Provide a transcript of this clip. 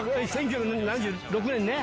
１９７６年ね。